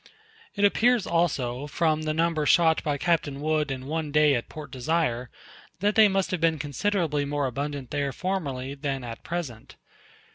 It appears also, from the number shot by Captain Wood in one day at Port Desire, that they must have been considerably more abundant there formerly than at present.